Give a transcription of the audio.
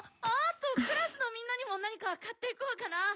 あとクラスのみんなにも何か買っていこうかな。